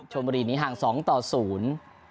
ชมบุรีนี้ห่างสองต่อศูนย์